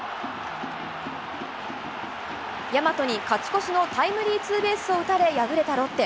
大和に勝ち越しのタイムリーツーベースを打たれ敗れたロッテ。